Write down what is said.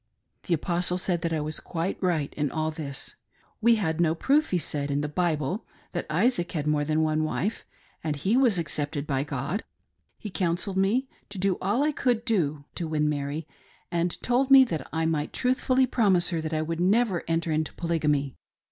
The Apostle said that I was quite right in all this, t We had no proof, he said, in the Bible, that Isaac had more than one wife, and he was accepted by God. He counselled me to do all I could to win Mary, and told me that I might truth fully promise her that I would never enter into Polygamy.